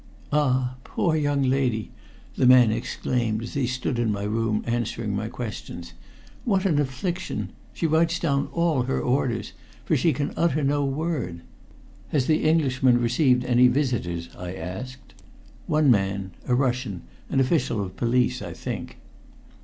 "Ah, poor young lady!" the man exclaimed as he stood in my room answering my questions, "What an affliction! She writes down all her orders for she can utter no word." "Has the Englishman received any visitors?" I asked. "One man a Russian an official of police, I think."